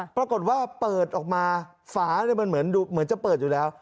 ปรากฏว่าเปิดออกมาฝามันเหมือนจะเปิดอยู่แล้ว